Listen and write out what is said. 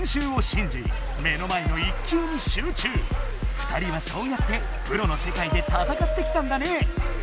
２人はそうやってプロのせかいでたたかってきたんだね。